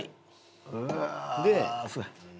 で。